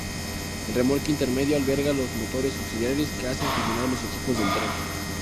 El remolque intermedio alberga los motores auxiliares que hacen funcionar los equipos del tren.